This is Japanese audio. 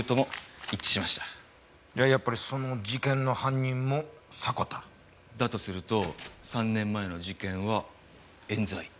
じゃあやっぱりその事件の犯人も迫田？だとすると３年前の事件は冤罪。